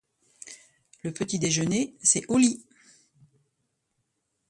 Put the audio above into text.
le petit déjeuner, c'est au lit.